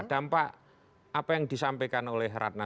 dampak apa yang disampaikan oleh ratna